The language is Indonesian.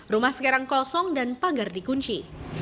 rumah sekarang kosong dan pagar dikunci